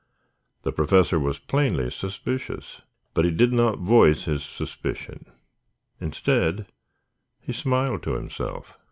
The Professor was plainly suspicious, but he did not voice his suspicion. Instead, he smiled to himself.